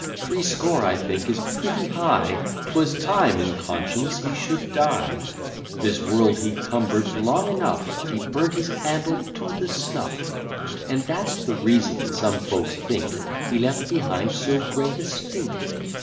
Threescore, I think, is pretty high; 'Twas time in conscience he should die! This world he cumber'd long enough; He burnt his candle to the snuff; And that's the reason, some folks think, He left behind so great a stink.